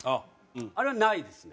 あれはないですね。